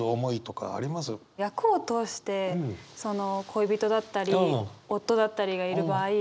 役を通してその恋人だったり夫だったりがいる場合